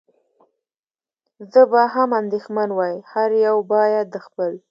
زه به هم اندېښمن وای، هر یو باید د خپل.